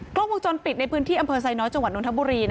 กล้องวงจรปิดในพื้นที่อำเภอไซน้อยจังหวัดนทบุรี